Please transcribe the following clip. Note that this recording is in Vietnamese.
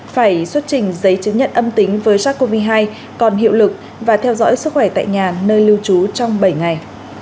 phải xuất trình giấy chứng nhận âm tính với sars cov hai còn hiệu lực và theo dõi sức khỏe tại nhà nơi lưu trú trong bảy ngày